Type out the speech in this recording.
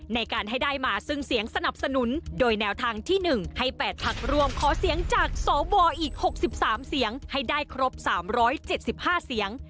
ในการให้ได้มาซึ่งเสียงสนับสนุนโดยแนวทางที่๑ให้๘พักร่วมขอเสียงจากสวอีก๖๓เสียงให้ได้ครบ๓๗๕เสียง